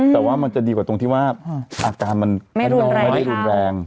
แต่ว่ามันจะดีกว่าตรงที่ว่าอาการมันไม่ได้รุนแรง